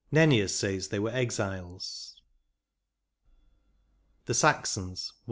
Nennius says they were exiles. 17 VIII. THE SAXONS.